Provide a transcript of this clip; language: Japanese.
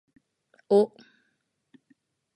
お